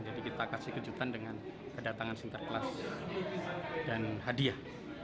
jadi kita kasih kejutan dengan kedatangan sinterkas dan hadiah